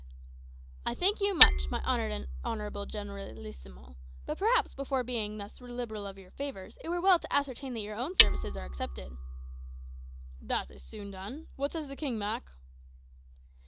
"I thank you much, my honoured and honourable generalissimo; but perhaps before being thus liberal of your favours, it were well to ascertain that your own services are accepted." "That is soon done. What says the king, Mak?"